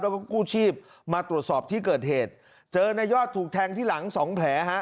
แล้วก็กู้ชีพมาตรวจสอบที่เกิดเหตุเจอนายยอดถูกแทงที่หลังสองแผลฮะ